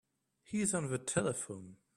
He's on the telephone.